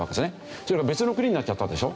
それが別の国になっちゃったでしょ。